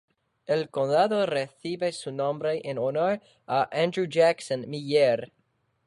El condado recibe su nombre en honor a Andrew Jackson Miller.